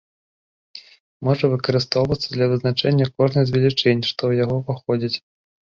Можа выкарыстоўвацца для вызначэння кожнай з велічынь, што ў яго ўваходзяць.